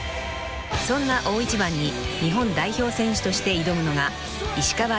［そんな大一番に日本代表選手として挑むのが］